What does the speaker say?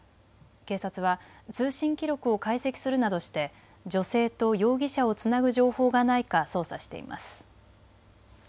警察は通信記録を解析するなどして女性と容疑者をつなぐ情報がないか捜査しています。